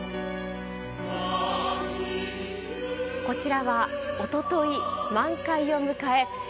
こちらはおととい満開を迎え